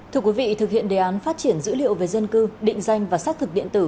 thưa quý vị thực hiện đề án phát triển dữ liệu về dân cư định danh và xác thực điện tử